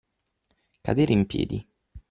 Cadere in piedi.